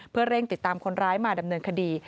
เพื่อเร่งติดตามคนร้ายมาดำเนินคดี